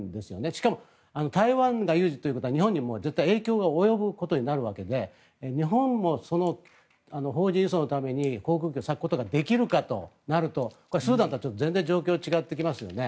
しかも、台湾が有事ということは日本にも絶対に影響が及ぶことになるわけで日本も邦人輸送のために航空機を割くことができるかとなるとスーダンとは全然状況が違ってきますよね。